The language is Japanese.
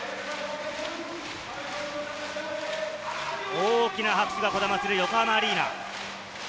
大きな拍手がこだまする横浜アリーナ。